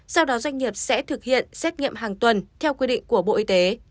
sau đó doanh nghiệp sẽ thực hiện xét nghiệm hàng tuần theo quy định của bộ y tế